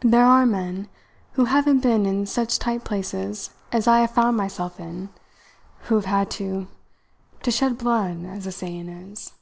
There are men who haven't been in such tight places as I have found myself in who have had to to shed blood, as the saying is.